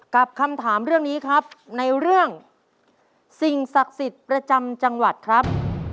คำถามเรื่องนี้ครับในเรื่องสิ่งศักดิ์สิทธิ์ประจำจังหวัดครับ